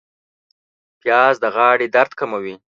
پیاز د غاړې درد کموي